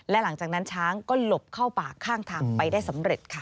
และหลังจากนั้นช้างก็หลบเข้าป่าข้างทางไปได้สำเร็จค่ะ